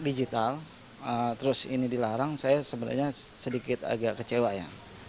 digital terus ini dilarang saya sebenarnya sedikit agak kecewa ya